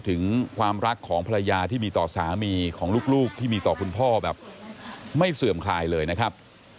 ถึงความรักของภรรยาที่มีต่อสามีของลูกที่มีต่อคุณพ่อแบบไม่เสื่อมคลายเลยนะครับ